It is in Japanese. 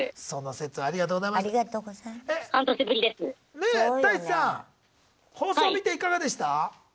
ねえタイチさん放送見ていかがでした？